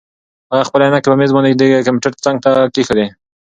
هغه خپلې عینکې په مېز باندې د کمپیوټر څنګ ته کېښودې.